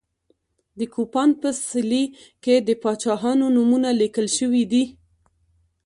د کوپان په څلي کې د پاچاهانو نومونه لیکل شوي دي.